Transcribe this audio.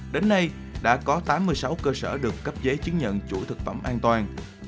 đến nay đã có tám mươi sáu cơ sở được cấp giấy chứng nhận chủ thực phẩm an toàn